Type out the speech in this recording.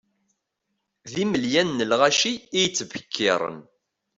D imelyan n lɣaci i yettbekkiren.